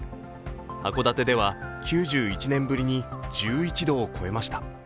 函館では９１年ぶりに１１度を超えました。